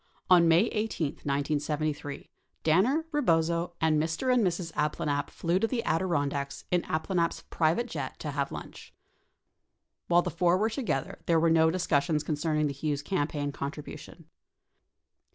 On May 18, 1973, Danner, Rebozo, and Mr. and Mrs. Ab planalp flew to the Adirondacks in Abplanalp's private jet to have lunch. While the four were together, there were no discus sions concerning the Hughes campaign contribution.